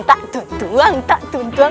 tak tutuang tak tutuang